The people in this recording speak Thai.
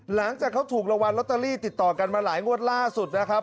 หลังจากเขาถูกรางวัลลอตเตอรี่ติดต่อกันมาหลายงวดล่าสุดนะครับ